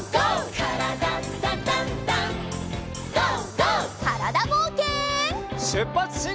からだぼうけん。